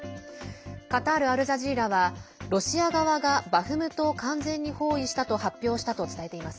カタール・アルジャジーラはロシア側がバフムトを完全に包囲したと発表したと伝えています。